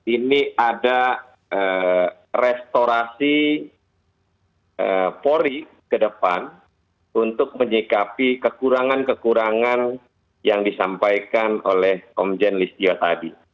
ini ada restorasi polri ke depan untuk menyikapi kekurangan kekurangan yang disampaikan oleh komjen listio tadi